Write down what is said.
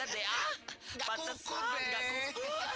endang banget deh ah